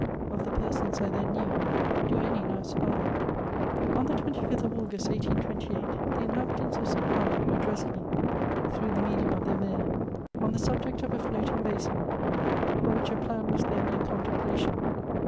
Of the persons I then knew, do any now survive ? On the 25th of August, 1828, the inhabitants of St. Malo addressed me, through the medium of their Mayor, on the subject of a floating basin, for which a plan was then in contemplation.